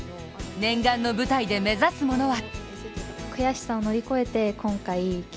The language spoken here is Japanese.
念願の舞台で目指すものは。